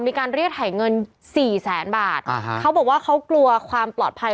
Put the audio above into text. มีการเรียกถ่ายเงินสี่แสนบาทอ่าฮะเขาบอกว่าเขากลัวความปลอดภัย